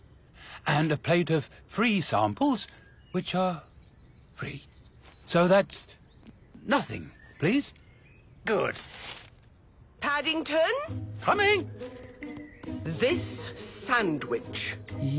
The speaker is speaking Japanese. はい？